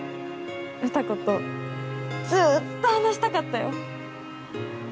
詩子とずっと話したかったよ。